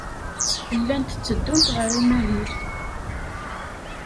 Llant tteddunt ɣer umahil.